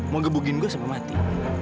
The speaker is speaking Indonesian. mau gemukkan saya sampai mati